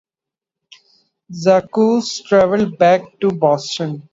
Zachos traveled back to Boston.